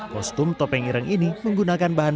kostum topeng ireng ini menggunakan bahan